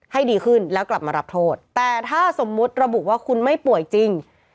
ให้ดีขึ้นแล้วกลับมารับโทษแต่ถ้าสมมุติระบุว่าคุณไม่ป่วยจริง